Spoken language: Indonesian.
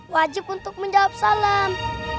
wajib untuk menjawab salam